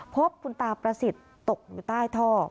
พบคุณตาประสิทธิ์ตกอยู่ใต้ท่อ